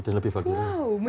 dan lebih bagiannya